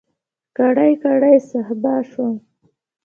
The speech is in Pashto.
کړۍ، کړۍ صهبا شوم